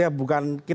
ya bukan kita